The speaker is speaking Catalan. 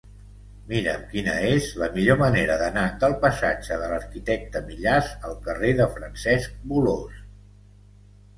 Mira'm quina és la millor manera d'anar del passatge de l'Arquitecte Millàs al carrer de Francesc Bolòs.